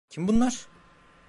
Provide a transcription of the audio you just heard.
Kim bunlar?